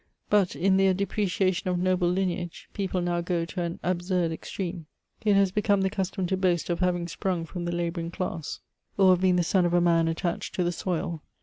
But, in their depreciation of noble lineage, people now go to an absurd extreme. It has become the custom to boast of having sprung from the labouring class, or of being the son of a man attached to the soil.